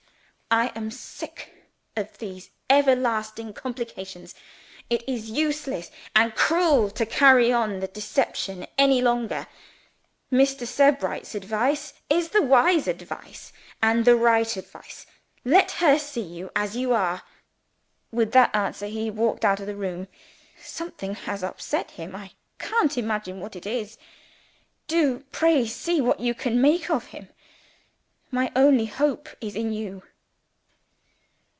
'I am sick of these everlasting complications. It is useless and cruel to carry on the deception any longer. Mr. Sebright's advice is the wise advice and the right advice. Let her see you as you are.' With that answer, he walked out of the room. Something has upset him I can't imagine what it is. Do pray see what you can make of him! My only hope is in you."